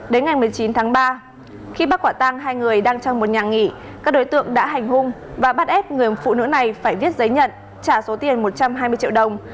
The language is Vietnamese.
đến ngày một mươi chín tháng ba khi bắt quả tang hai người đang trong một nhà nghỉ các đối tượng đã hành hung và bắt ép người phụ nữ này phải viết giấy nhận trả số tiền một trăm hai mươi triệu đồng